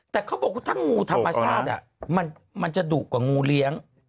แต่เขาบอกว่าถ้างูธรรมชาติมันจะดุกว่างูเลี้ยง